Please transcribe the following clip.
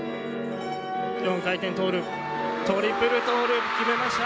４回転トーループトリプルトーループ決めました！